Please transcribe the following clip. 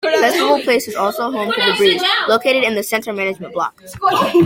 Festival Place is also home to The Breeze, located in the centre management block.